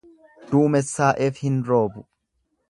Duumessaa'eef hin roobu.